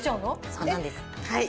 そうなんですはい。